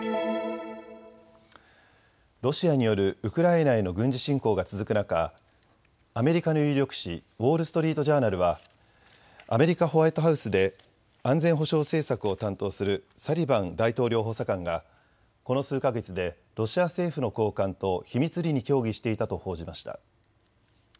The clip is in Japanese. ロシアによるウクライナへの軍事侵攻が続く中、アメリカの有力紙ウォール・ストリート・ジャーナルはアメリカ・ホワイトハウスで安全保障政策を担当するサリバン大統領補佐官が、この数か月でロシア政府の高官と秘密裏に協議していたと報じました。